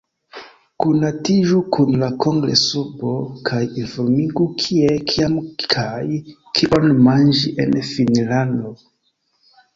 Konatiĝu kun la kongres-urbo, kaj informiĝu kie, kiam, kaj kion manĝi en Finnlando.